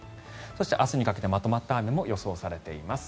そして明日にかけてまとまった雨も予想されています。